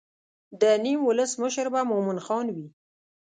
د نیم ولس مشر به مومن خان وي.